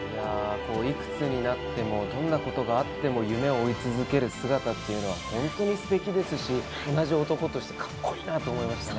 いくつになってもどんなことがあっても夢を追い続ける姿というのは、本当にステキですし、同じ男としてカッコいいなと思いましたね。